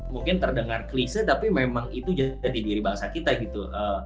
mungkin terdengar klise tapi memang itu jadi diri bangsa kita gitu